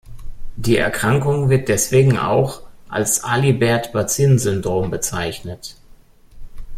Die Erkrankung wird deswegen auch als "Alibert-Bazin-Syndrom" bezeichnet.